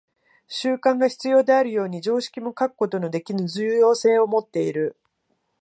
習慣が必要であるように、常識も欠くことのできぬ重要性をもっている。